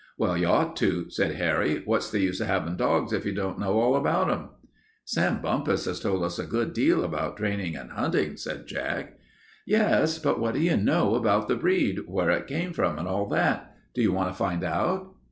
"Well, you ought to," said Harry. "What's the use of having dogs if you don't know all about them?" "Sam Bumpus has told us a good deal about training and hunting," said Jack. "Yes, but what do you know about the breed, where it came from and all that? Do you want to find out?"